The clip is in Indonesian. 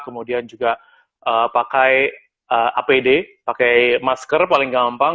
kemudian juga pakai apd pakai masker paling gampang